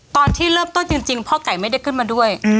ตอนที่เริ่มต้นจริงพ่อไก่ไม่ได้ขึ้นมาด้วย